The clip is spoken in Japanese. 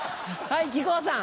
はい。